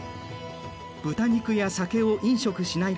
豚肉や酒を飲食しないこと。